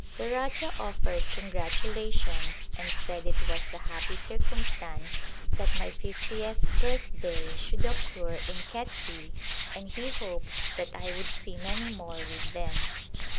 The Rajah offered congratulations and said it was a happy circumstance that my fiftieth birthday should occur in Khetri and he hoped that I would see many more with them.